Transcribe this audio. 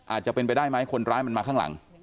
อาจจะเป็นไปได้ไหมคนร้ายมันมาข้างหลัง